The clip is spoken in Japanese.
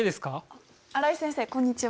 あ新井先生こんにちは。